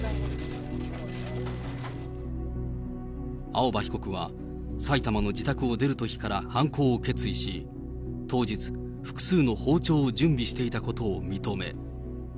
青葉被告は埼玉の自宅を出るときから犯行を決意し、当日、複数の包丁を準備していたことを認め。